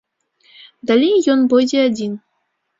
Далей ён пойдзе адзін.